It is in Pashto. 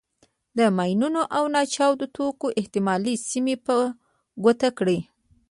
د ماینونو او ناچاودو توکو احتمالي سیمې په ګوته کړئ.